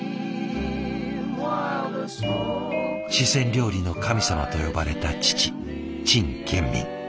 「四川料理の神様」と呼ばれた父陳建民。